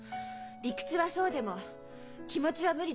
理屈はそうでも気持ちは無理です。